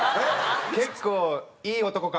結構いい男かも！